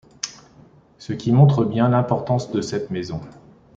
Ce qui montre bien l'importance de cette maison.